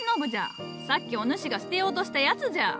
さっきお主が捨てようとしたやつじゃ。